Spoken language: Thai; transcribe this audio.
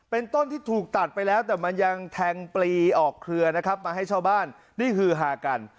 เป็นต้นที่ถูกตัดไปแล้วแต่มันยังแทงปลีออกเครือนะครับมาให้ชาวบ้านได้ฮือฮากัน